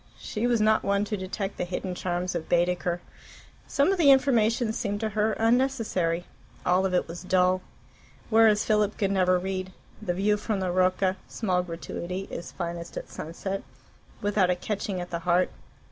She was not one to detect the hidden charms of Baedeker. Some of the information seemed to her unnecessary, all of it was dull. Whereas Philip could never read "The view from the Rocca (small gratuity) is finest at sunset" without a catching at the heart.